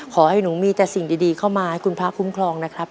ขอให้หนูมีแต่สิ่งดีเข้ามาให้คุณพระคุ้มครองนะครับ